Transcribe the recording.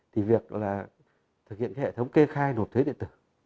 thì việc là thực hiện cái hệ thống kê khai nộp thuế điện tử